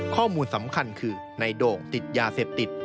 ข้อมูลสำคัญคือในโด่งติดยาเสพติด